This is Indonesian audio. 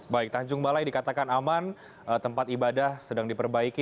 baik tanjung balai dikatakan aman tempat ibadah sedang diperbaiki